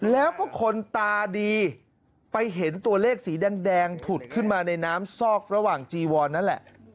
แล้วก็คนตาดีไปเห็นตัวเลขสีแดงผุดขึ้นมาในน้ำซอกระหว่างจีวอนนั่นแหละ